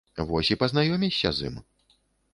Вось і пазнаёмішся з ім.